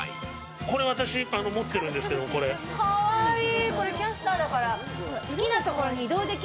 これ私、持ってるんですけどかわいい。